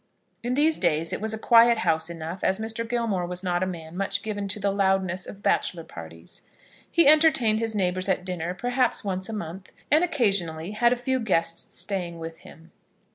In these days it was a quiet house enough, as Mr. Gilmore was a man not much given to the loudness of bachelor parties. He entertained his neighbours at dinner perhaps once a month, and occasionally had a few guests staying with him.